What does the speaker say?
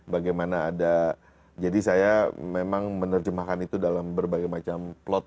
bagaimana ada jadi saya memang menerjemahkan itu dalam berbagai macam plot